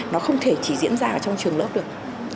nó không thể chỉ diễn ra trong trường lớp được